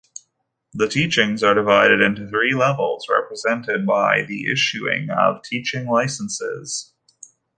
The teachings are divided into three levels represented by the issuing of teaching licenses.